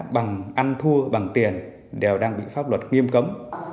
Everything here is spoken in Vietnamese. bằng ăn thua bằng tiền đều đang bị pháp luật nghiêm cấm